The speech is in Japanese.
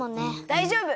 だいじょうぶ！